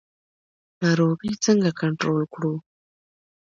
ناروغي څنګه کنټرول کړو؟